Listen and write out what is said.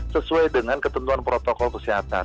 sesuai dengan ketentuan protokol kesehatan